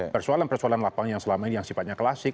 persoalan persoalan lapangan yang selama ini yang sifatnya klasik